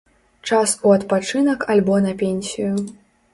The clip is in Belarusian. Час у адпачынак альбо на пенсію.